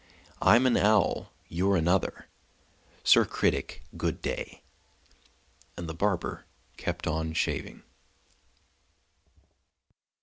I'm an owl; you're another. Sir Critic, good day!" And the barber kept on shaving.